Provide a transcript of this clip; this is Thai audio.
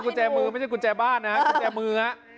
กุญแจมือไม่ใช่กุญแจบ้านนะกุญแจมือฮะ